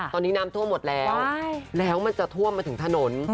ตอนนี้น้ำท่วมหมดแล้วแล้วมันจะท่วมมาถึงถนน